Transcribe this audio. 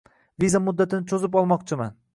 Viza muddatini cho'zib olmoqchiman.